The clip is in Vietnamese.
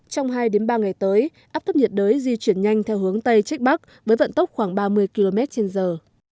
trong hai ba ngày tới áp thấp nhiệt đới di chuyển nhanh theo hướng tây trách bắc với vận tốc khoảng ba mươi km trên giờ